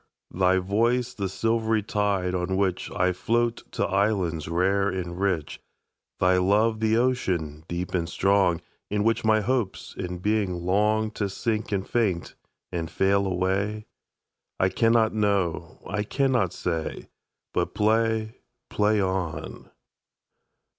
Thy voice the silvery tide on whichI float to islands rare and rich? Thy love the ocean, deep and strong, In which my hopes and being longTo sink and faint and fail away?I cannot know. I cannot say. But play, play on.